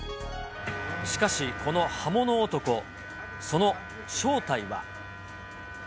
しかし、この刃物男、その正体は。